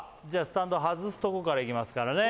スタンド外すとこからいきますからね